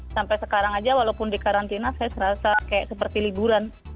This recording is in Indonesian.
sampai sekarang aja walaupun di karantina saya serasa kayak seperti liburan